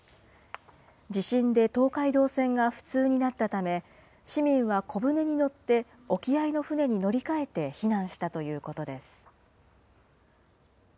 地震で東海道線が不通になったため、市民は小舟に乗って沖合の船に乗り換えて避難したということです。